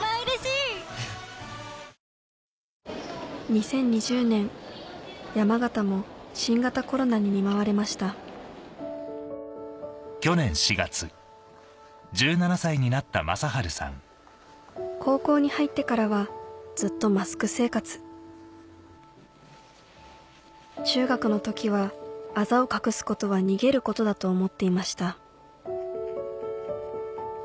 ２０２０年山形も新型コロナに見舞われました高校に入ってからはずっとマスク生活中学の時は「あざを隠すことは逃げること」だと思っていました